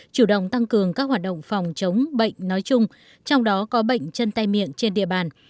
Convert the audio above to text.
chủ động tăng cường các hoạt động phòng chống bệnh nói chung trong đó có bệnh chân tay miệng trên địa bàn